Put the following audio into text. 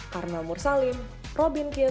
karna mursalim robin kitt jakarta